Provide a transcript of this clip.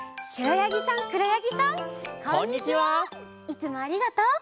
いつもありがとう！